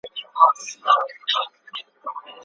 د هغه چا په اړه، چي بله ميرمن يا نوري ميرمني لري.